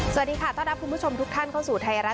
สวัสดีค่ะต้อนรับคุณผู้ชมทุกท่านเข้าสู่ไทยรัฐ